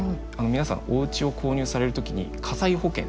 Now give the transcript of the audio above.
皆さんおうちを購入される時に火災保険。